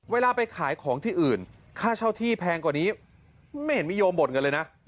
เวลาไปขายของที่อื่นค่าเช่าที่แพงกว่านี้ไม่เห็นมีโยมบ่นเงินเลยนะ